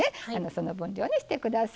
その分量にして下さい。